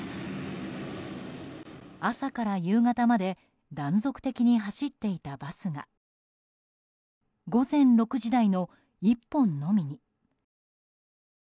朝から夕方まで断続的に走っていたバスが午前６時台の１本のみに。